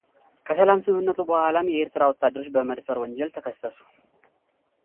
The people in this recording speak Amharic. ከሰላም ስምምነቱ በኋላም የኤርትራ ወታደሮች በመድፈር ወንጀል ተከሰሱ